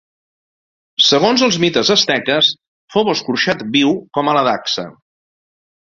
Segons els mites asteques fou escorxat viu com a la dacsa.